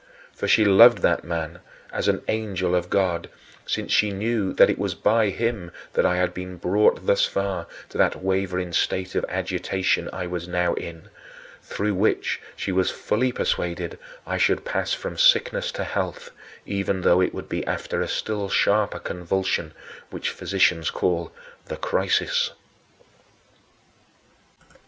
For she loved that man as an angel of God, since she knew that it was by him that I had been brought thus far to that wavering state of agitation I was now in, through which she was fully persuaded I should pass from sickness to health, even though it would be after a still sharper convulsion which physicians call "the crisis."